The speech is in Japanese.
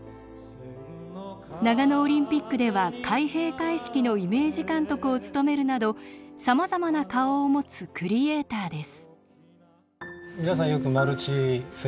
長野オリンピックでは開閉会式のイメージ監督を務めるなどさまざまな顔を持つクリエーターです。